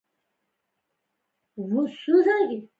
دا د شاګردانو یا استادانو یو ګروپ ته ویل کیږي.